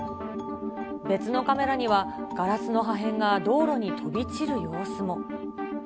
別のカメラには、ガラスの破片が道路に飛び散る様子も。